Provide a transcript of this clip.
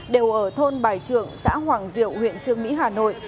đều ở thôn bài trượng xã hoàng diệu huyện trương mỹ hà nội